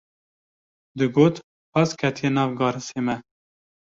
Digot: pez ketiye nav garisê me